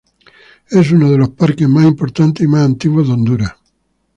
Es uno de los parques más importantes y más antiguos de Honduras.